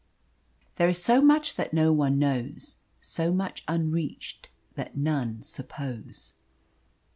There is so much that no one knows, So much unreached that none suppose.